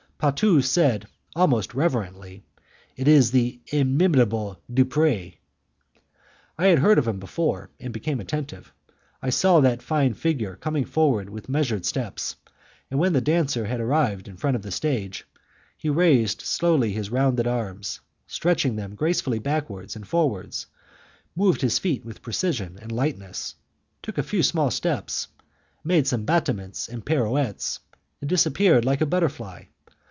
Patu said, almost reverently, "It is the inimitable Dupres." I had heard of him before, and became attentive. I saw that fine figure coming forward with measured steps, and when the dancer had arrived in front of the stage, he raised slowly his rounded arms, stretched them gracefully backward and forward, moved his feet with precision and lightness, took a few small steps, made some battements and pirouettes, and disappeared like a butterfly.